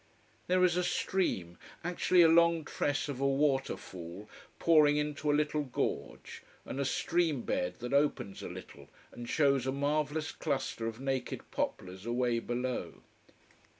There is a stream: actually a long tress of a water fall pouring into a little gorge, and a stream bed that opens a little, and shows a marvellous cluster of naked poplars away below.